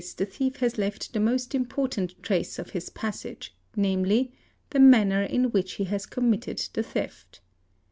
the thief has left the most important trace of his passage, namely, the manner in which he has committed the theft.